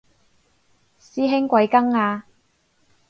師兄貴庚啊